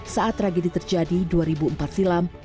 saat tragedi terjadi dua ribu empat silam